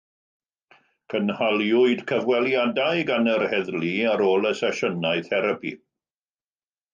Cynhaliwyd cyfweliadau gan yr heddlu ar ôl y sesiynau therapi.